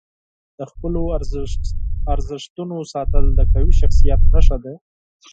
د خپلو ارزښتونو ساتل د قوي شخصیت نښه ده.